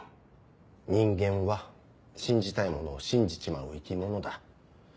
人間は信じたいものを信じちまう生き物だ。